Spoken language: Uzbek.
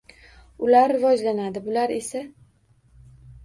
Ular rivojlanadi, bular esa...